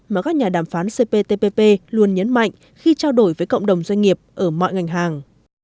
mà các nhà đàm phán cptpp luôn nhấn mạnh khi trao đổi với cộng đồng doanh nghiệp ở mọi ngành hàng